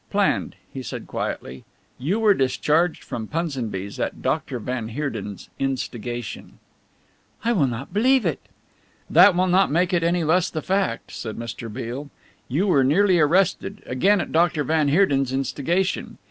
"Planned," he said quietly. "You were discharged from Punsonby's at Doctor van Heerden's instigation." "I will not believe it!" "That will not make it any less the fact," said Mr. Beale. "You were nearly arrested again at Doctor van Heerden's instigation.